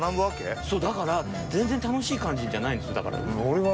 そうだから全然楽しい感じじゃないんです。